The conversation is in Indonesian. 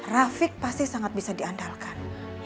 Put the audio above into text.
rafiq pasti sangat bisa diandalkan